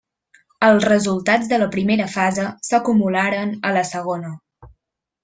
Els resultats de la primera fase s'acumularen a la segona.